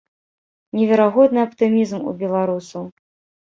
Неверагодны аптымізм у беларусаў.